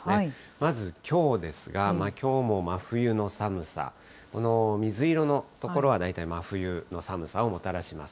まず、きょうですが、きょうも真冬の寒さ、この水色の所は大体、真冬の寒さをもたらします。